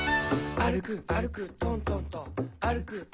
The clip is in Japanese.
「あるくあるくとんとんと」